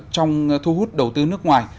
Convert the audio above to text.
trong thu hút đầu tư nước ngoài